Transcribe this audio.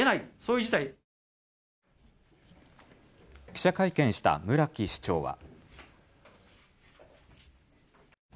記者会見した村木市長は。